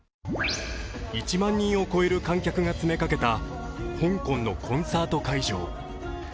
１万人を超える観客が詰めかけた香港のコンサート会場。